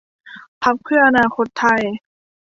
พรรคเพื่ออนาคตไทย